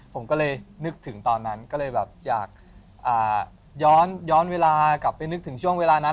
ผมก็เลยนึกถึงตอนนั้นก็เลยแบบอยากย้อนเวลากลับไปนึกถึงช่วงเวลานั้น